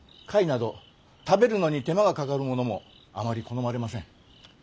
貝など食べるのに手間がかかるものもあまり好まれません。